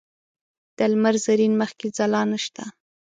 د لمر زرین مخ کې ځلا نشته